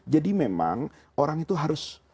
jadi memang orang itu harus